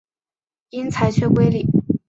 因裁缺归里。